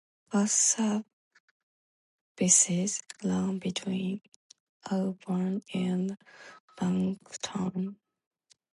Bus services run between Auburn and Bankstown.